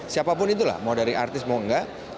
siapapun itulah mau dari artis mau enggak